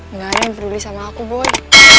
enggak ada yang peduli sama aku boy